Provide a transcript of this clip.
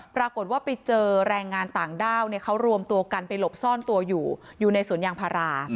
ปรากฏว่าไปเจอแรงงานต่างด้าวเขารวมตัวกันไปหลบซ่อนตัวอยู่อยู่ในสวนยางพารา